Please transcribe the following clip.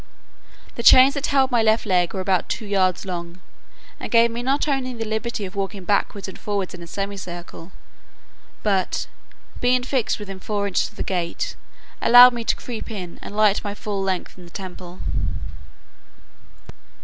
The chains that held my left leg were about two yards long, and gave me not only the liberty of walking backwards and forwards in a semicircle, but, being fixed within four inches of the gate, allowed me to creep in, and lie at my full length in the temple.